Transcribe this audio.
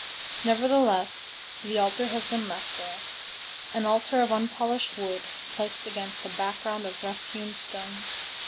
Nevertheless, the altar has been left there—an altar of unpolished wood, placed against a background of roughhewn stone.